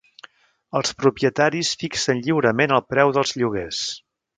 Els propietaris fixen lliurement el preu dels lloguers